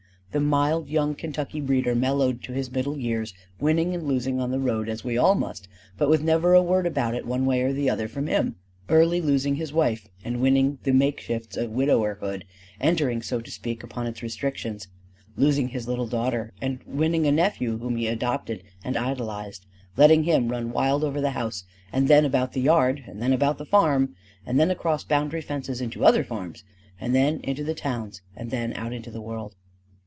The mild young Kentucky breeder mellowed to his middle years, winning and losing on the road as we all must, but with never a word about it one way or the other from him; early losing his wife and winning the makeshifts of widowerhood, entering so to speak upon its restrictions; losing his little daughter and winning a nephew whom he adopted and idolized; letting him run wild over the house, and then about the yard, and then about the farm, and then across boundary fences into other farms, and then into the towns, and then out into the world.